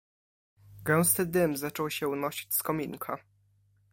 "Gęsty dym zaczął się unosić z kominka."